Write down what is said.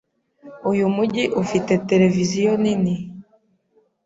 Uyu mujyi ufite televiziyo nini.